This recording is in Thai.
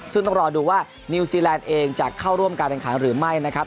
ซึ่งต้องรอดูว่านิวซีแลนด์เองจะเข้าร่วมการแข่งขันหรือไม่นะครับ